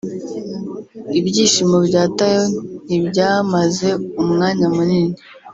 Ibyishimo bya Tayo ntibyamaze umwanya munini